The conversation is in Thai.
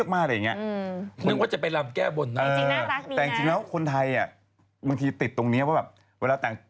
ฝ่ายดูแบบคลาโธสัตว์แล้วเวลานี้